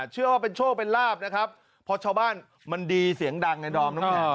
เชื่อว่าเป็นโชคเป็นลาบนะครับเพราะชาวบ้านมันดีเสียงดังไงดอมน้ำแข็ง